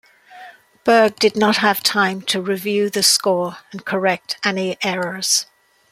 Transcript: Berg did not have time to review the score and correct any errors.